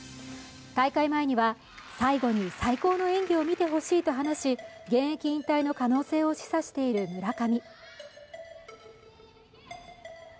大会前には最後に最高の演技を見てほしいと話し現役引退の可能性を示唆している村上。